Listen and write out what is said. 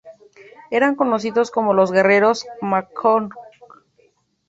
Eran conocidos como los "guerreros McCook".